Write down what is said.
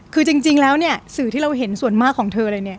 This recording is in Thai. คือจริงแล้วเนี่ยสื่อที่เราเห็นส่วนมากของเธอเลยเนี่ย